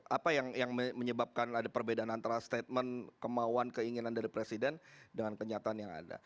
apa yang menyebabkan ada perbedaan antara statement kemauan keinginan dari presiden dengan kenyataan yang ada